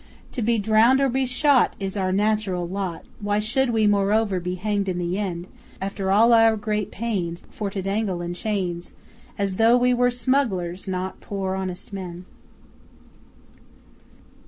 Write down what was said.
To be drowned or be shot Is our natural lot, Why should we, moreover, be hanged in the end After all our great pains For to dangle in chains, As though we were smugglers, not poor honest men?